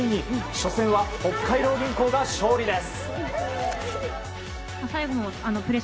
初戦は北海道銀行が勝利です。